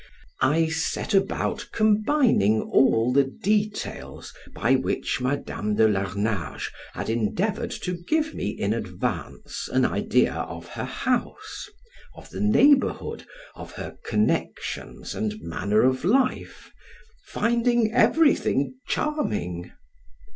I set about combining all the details by which Madam de Larnage had endeavored to give me in advance an idea of her house, of the neighborhood, of her connections, and manner of life, finding everything charming.